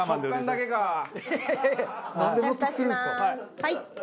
はい！